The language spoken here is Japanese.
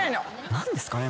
何ですかね？